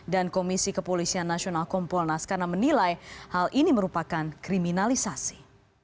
komisi kepolisian nasional kompolnas karena menilai hal ini merupakan kriminalisasi